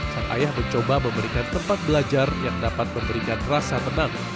sang ayah mencoba memberikan tempat belajar yang dapat memberikan rasa tenang